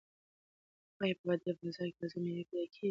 ایا په دې بازار کې تازه مېوې پیدا کیږي؟